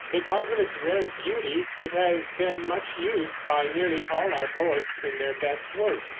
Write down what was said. Because of its rare beauty it has been much used by nearly all our poets in their best work.